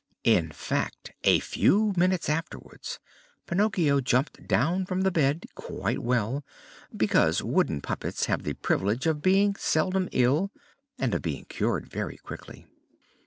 In fact, a few minutes afterwards, Pinocchio jumped down from the bed quite well, because wooden puppets have the privilege of being seldom ill and of being cured very quickly.